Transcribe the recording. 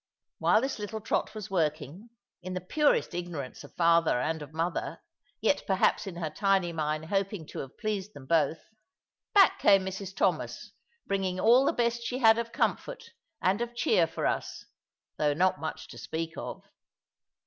While this little trot was working, in the purest ignorance of father and of mother, yet perhaps in her tiny mind hoping to have pleased them both, back came Mrs Thomas, bringing all the best she had of comfort and of cheer for us, although not much to speak of.